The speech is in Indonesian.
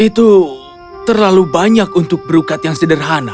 itu terlalu banyak untuk berukat yang sederhana